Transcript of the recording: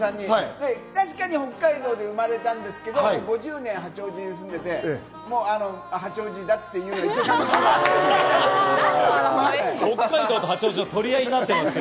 確かに北海道で生まれたんですけど、５０年八王子に住んでいて、八王子だっていうのは確認とってます。